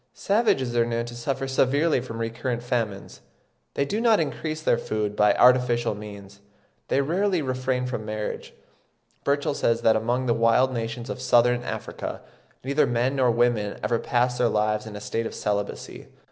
Savages are known to suffer severely from recurrent famines; they do not increase their food by artificial means; they rarely refrain from marriage (16. Burchell says ('Travels in S. Africa,' vol. ii. 1824, p. 58), that among the wild nations of Southern Africa, neither men nor women ever pass their lives in a state of celibacy.